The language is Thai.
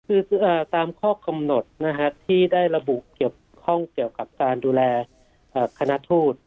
คือตามข้อกำหนดที่ได้ระบุเกี่ยวข้องเกี่ยวกับการดูแลคณะทูต